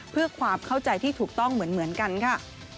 เพื่อความเข้าใจที่ถูกต้องเหมือนกันค่ะ